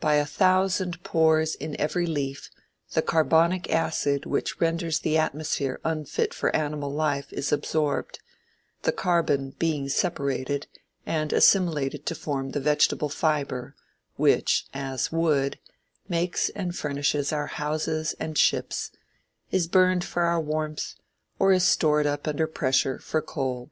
By a thousand pores in every leaf the carbonic acid which renders the atmosphere unfit for animal life is absorbed, the carbon being separated, and assimilated to form the vegetable fibre, which, as wood, makes and furnishes our houses and ships, is burned for our warmth, or is stored up under pressure for coal.